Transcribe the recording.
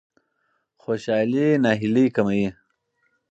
خوشالي ناهیلي کموي.